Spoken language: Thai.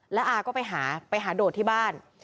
แล้วอาก็ไปหาไปหาโดดที่บ้าน